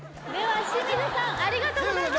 清水さんありがとうございました